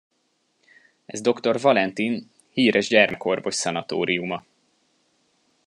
Ez doktor Valentin, híres gyermekorvos szanatóriuma.